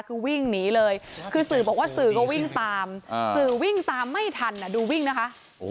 คือวิ่งหนีเลยคือสื่อบอกว่าสื่อก็วิ่งตามสื่อวิ่งตามไม่ทันดูวิ่งนะคะ